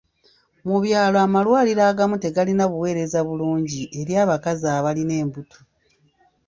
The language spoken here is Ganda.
Mu byalo amalwaliro agamu tegalina buweereza bulungi eri abakazi abalina embuto.